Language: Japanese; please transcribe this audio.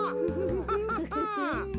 フフフン！